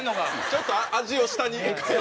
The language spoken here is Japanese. ちょっと味を下に替えて。